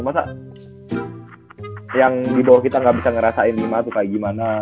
masa yang di bawah kita gak bisa ngerasain lima tuh kayak gimana